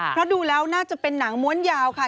เพราะดูแล้วน่าจะเป็นหนังม้วนยาวค่ะ